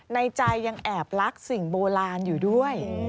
ในใจยังแอบรักสิ่งโบราณอยู่ด้วย